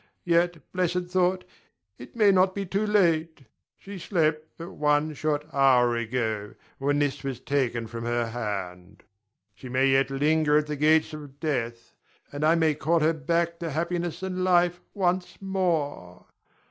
Yet, blessed thought, it may not be too late. She slept but one short hour ago, when this was taken from her hand. She may yet linger at the gates of death, and I may call her back to happiness and life once more.